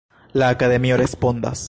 La Akademio respondas.